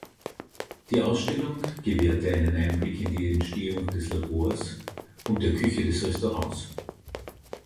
Die Ausstellung gewährte einen Einblick in die Entstehung des Labors und der Küche des Restaurants.